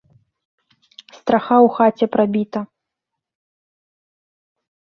Страха ў хаце прабіта.